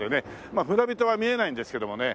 まあ船人は見えないんですけどもね。